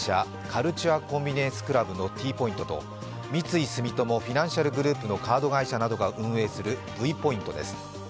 カルチュア・コンビニエンス・クラブのＴポイントと三井住友フィナンシャルグループのカード会社などが運営するＶポイントです。